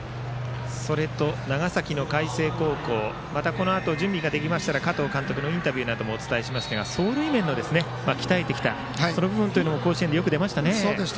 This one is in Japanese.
長崎の海星高校またこのあと準備ができましたら加藤監督のインタビューなどもお伝えしますが走塁面を鍛えてきたその部分というのも甲子園でよく出ましたね。